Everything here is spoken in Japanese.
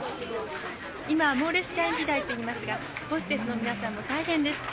今はモーレツ社員時代といいますか、ホステスの皆さんも大変です。